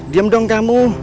diam dong kamu